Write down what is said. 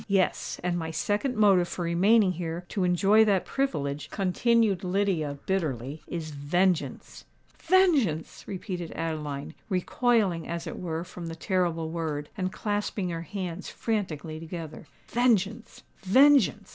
"Yes: and my second motive for remaining here to enjoy that privilege," continued Lydia, bitterly, "is vengeance!" "Vengeance!" repeated Adeline, recoiling as it were from the terrible word, and clasping her hands franticly together. "Vengeance—vengeance!"